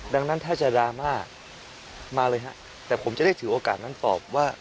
ดังนั้นถ้าจะดราม่ามาเลยฮะแต่ผมจะได้ถือโอกาสนั้นตอบว่า